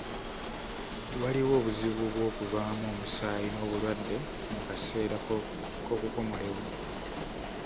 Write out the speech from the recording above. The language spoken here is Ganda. Waliwo obuzibu bw'okuvaamu omusaayi n'obulwadde mu kaseera k'okukomolebwa.